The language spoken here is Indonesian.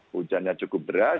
hujannya cukup beras